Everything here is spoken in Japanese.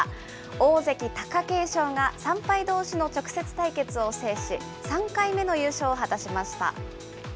大関・貴景勝が３敗どうしの直接対決を制し、３回目の優勝を果たしました。